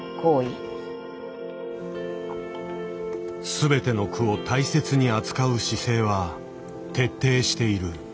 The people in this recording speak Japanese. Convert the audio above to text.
全ての句を大切に扱う姿勢は徹底している。